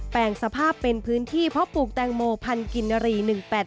แปลงสภาพเป็นพื้นที่เพาะปลูกแตงโมพันธุกินนารี๑๘๘